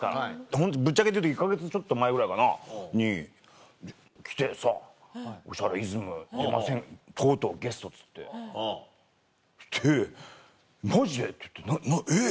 ホントぶっちゃけて言うと１か月ちょっと前ぐらいかな。に来てさ『おしゃれイズム』とうとうゲストっつって。ってマジで！って言ってえっ！